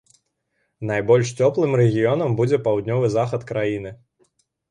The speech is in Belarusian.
Найбольш цёплым рэгіёнам будзе паўднёвы захад краіны.